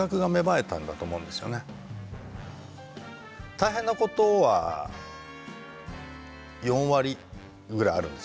大変なことは４割ぐらいあるんですよ。